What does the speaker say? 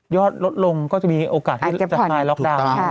ลดลงก็จะมีโอกาสที่จะคลายล็อกดาวน์